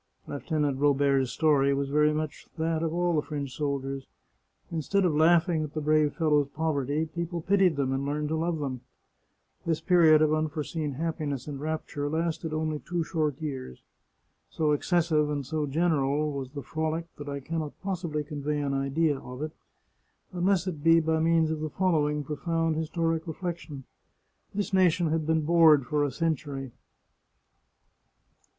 Lieutenant Robert's story was very much that of all the French soldiers. Instead of laughing at the brave fel lows' poverty, people pitied them and learned to love them. This period of unforeseen happiness and rapture lasted only two short years. So excessive and so general was the frolic that I can not possibly convey an idea of it, unless it be by means of the following profound historic reflection: This nation had been bored for a century!